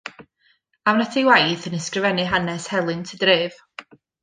Awn at ei waith yn ysgrifennu hanes helynt y dref.